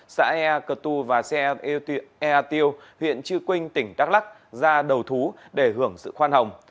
xã ea cờ tu và ea tiêu huyện chư quynh tỉnh đắk lắc ra đầu thú để hưởng sự khoan hồng